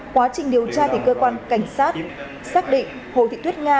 quá trình điều tra thì cơ quan cảnh sát xác định hồ thị thuyết nga